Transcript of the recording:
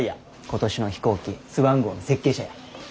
今年の飛行機スワン号の設計者や。